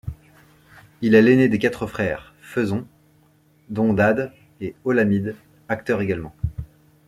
Il est l'aîné des quatre frères Faison, dont Dade et Olamide, acteurs également.